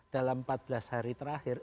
dalam empat belas hari terakhir